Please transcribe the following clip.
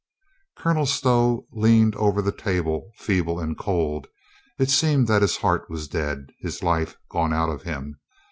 Colonel Stow leaned over the table, feeble and cold. It seemed that his heart was dead, his life gone out of him.